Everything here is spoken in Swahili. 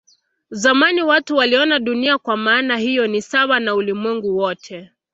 Zamani watu waliona Dunia kwa maana hiyo ni sawa na ulimwengu wote.